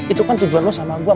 itu kan tujuan lo sama gua